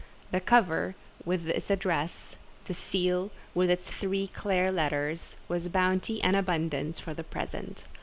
The cover with its address—the seal, with its three clear letters—was bounty and abundance for the present.